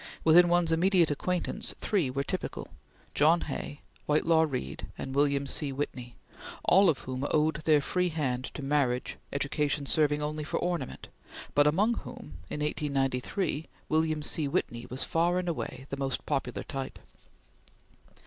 Within one's immediate acquaintance, three were typical: John Hay, Whitelaw Reid, and William C. Whitney; all of whom owed their free hand to marriage, education serving only for ornament, but among whom, in 1893, William C. Whitney was far and away the most popular type.